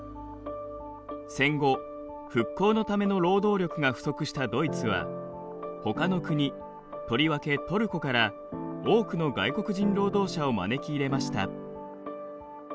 戦後復興のための労働力が不足したドイツはほかの国とりわけトルコから多くの外国人労働者を招き入れました。